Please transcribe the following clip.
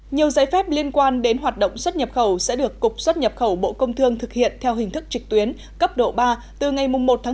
nhiều giấy phép liên quan đến hoạt động xuất nhập khẩu sẽ được cục xuất nhập khẩu bộ công thương thực hiện theo hình thức trịch tuyến cấp độ ba từ ngày một một mươi một hai nghìn một mươi chín